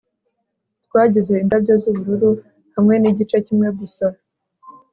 twagize indabyo z'ubururu hamwe nigice kimwe gusa